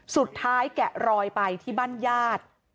สุดท้ายแกะรอยไปที่บ้านญาติ